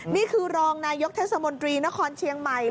นี่คือรองนายกเทศมนตรีนครเชียงใหม่